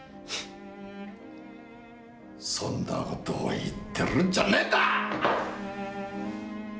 そんなことを言ってるんじゃねえんだ！！